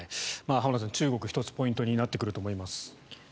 浜田さん、中国１つポイントになってくると思います。